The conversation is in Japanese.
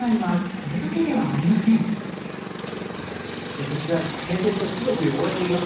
こちら点々と白く汚れています。